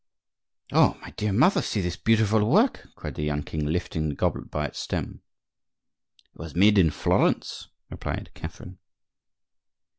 "Oh! my dear mother, see this beautiful work!" cried the young king, lifting the goblet by its stem. "It was made in Florence," replied Catherine.